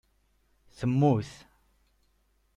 Temmut